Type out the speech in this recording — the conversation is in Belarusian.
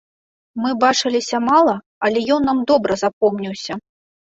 Мы бачыліся мала, але ён нам добра запомніўся.